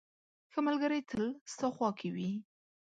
• ښه ملګری تل ستا خوا کې وي.